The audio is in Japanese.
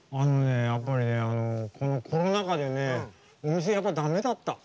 やっぱりこのコロナ禍でお店、やっぱりだめだった。